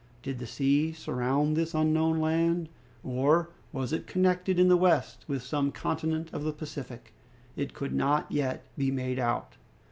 Did the sea surround this unknown land, or was it connected in the west with some continent of the Pacific? It could not yet be made out.